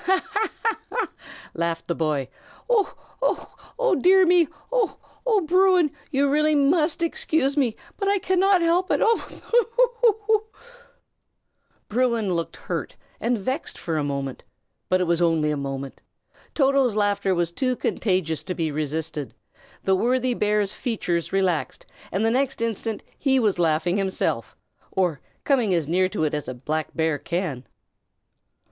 "Ha! ha! ha!" laughed the boy. "Ho! oh, dear me! ho! ho! ha! Bruin, dear, you really must excuse me, but I cannot help it. Ho! ho! ho!" Bruin looked hurt and vexed for a moment, but it was only a moment. Toto's laughter was too contagious to be resisted; the worthy bear's features relaxed, and the next instant he was laughing himself, or coming as near to it as a black bear can.